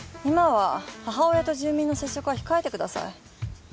今は母親と住民の接触は控えてください。